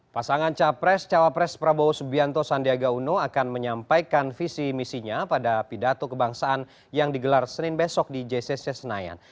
pasangan capres cawapres prabowo subianto sandiaga uno akan menyampaikan visi misinya pada pidato kebangsaan yang digelar senin besok di jcc senayan